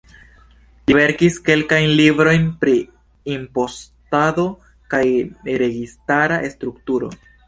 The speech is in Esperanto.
Li verkis kelkajn librojn pri impostado kaj registara strukturo.